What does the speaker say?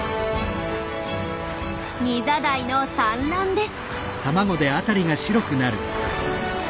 ニザダイの産卵です。